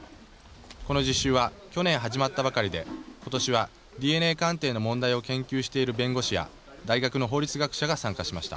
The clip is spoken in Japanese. この実習は去年始まったばかりで今年はＤＮＡ鑑定の問題を研究している弁護士や大学の法律学者が参加しました。